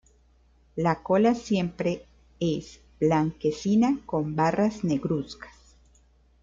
La cola siempre es blanquecina con barras negruzcas.